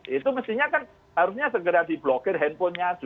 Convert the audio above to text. itu mestinya kan harusnya segera di block in handphonenya